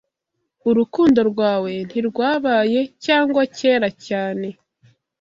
Urukundo rwawe ntirwabaye, cyangwa kera cyane